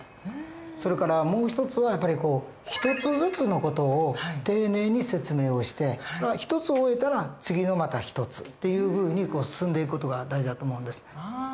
それからもう一つは一つずつの事を丁寧に説明をして一つを終えたら次のまた一つっていうふうに進んでいく事が大事だと思うんです。